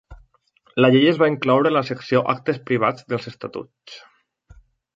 La llei es va incloure a la secció "Actes privats" dels Estatuts.